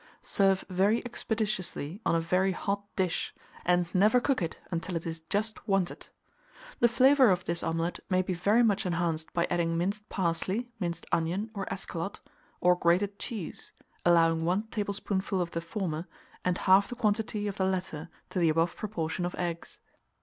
Serve very expeditiously on a very hot dish, and never cook it until it is just wanted. The flavour of this omelet may be very much enhanced by adding minced parsley, minced onion or eschalot, or grated cheese, allowing 1 tablespoonful of the former, and half the quantity of the latter, to the above proportion of eggs.